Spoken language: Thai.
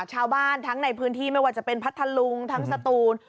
ทั้งในพื้นที่ไม่ว่าจะเป็นพัทธลุงทั้งสตูน